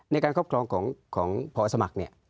ในการครอบครองของพสมัคร